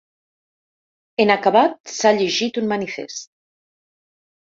En acabat, s’ha llegit un manifest.